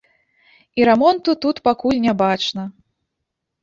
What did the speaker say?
І рамонту тут пакуль не бачна.